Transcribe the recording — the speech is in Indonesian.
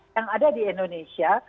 yang ada di indonesia